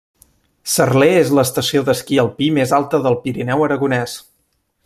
Cerler és l'estació d'esquí alpí més alta del Pirineu aragonès.